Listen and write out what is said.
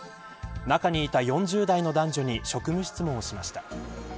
中にいた４０代の男女に職務質問をしました。